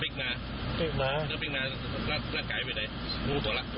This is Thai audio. หมายถึงกรุง